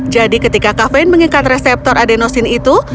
jadi ketika kafein mengikat reseptor adenosin itu